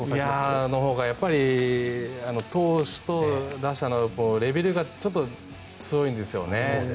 そちらのほうが投手と打者のレベルがちょっと強いんですよね。